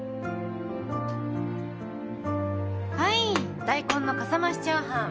はい大根のかさ増しチャーハン。